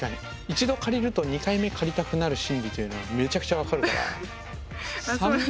一度借りると２回目借りたくなる心理というのはめちゃくちゃ分かるから。